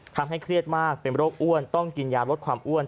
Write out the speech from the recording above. เครียดมากเป็นโรคอ้วนต้องกินยาลดความอ้วน